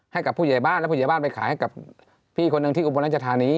ให้กับผู้เยบ้านแล้วผู้เยบ้านไปขายให้กับพี่คนนึงที่อุปโรปนะนะ